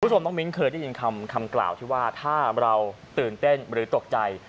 น้องมิ้นเคยได้ยินคำกล่าวที่ว่าถ้าเราตื่นเต้นหรือตกใจ